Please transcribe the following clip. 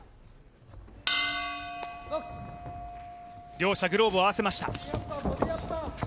両者グローブを合わせました。